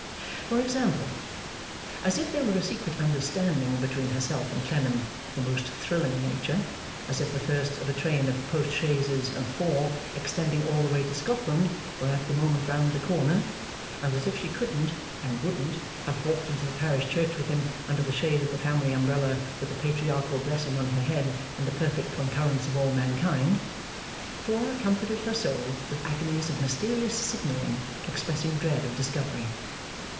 For example. As if there were a secret understanding between herself and Clennam of the most thrilling nature; as if the first of a train of post chaises and four, extending all the way to Scotland, were at that moment round the corner; and as if she couldn't (and wouldn't) have walked into the Parish Church with him, under the shade of the family umbrella, with the Patriarchal blessing on her head, and the perfect concurrence of all mankind; Flora comforted her soul with agonies of mysterious signalling, expressing dread of discovery.